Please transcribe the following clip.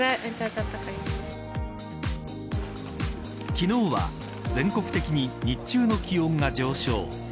昨日は全国的に日中の気温が上昇。